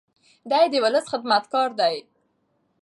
دی د ولس خدمتګار دی.